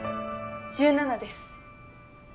１７です。